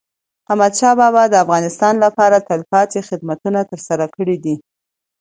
احمدشاه بابا د افغانستان لپاره تلپاتي خدمتونه ترسره کړي دي.